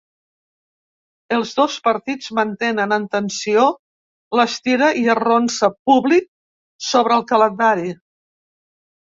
Els dos partits mantenen en tensió l’estira-i-arronsa públic sobre el calendari.